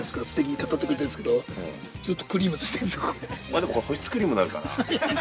でもこれ、保湿クリームになるから。